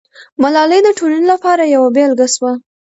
ملالۍ د ټولنې لپاره یوه بېلګه سوه.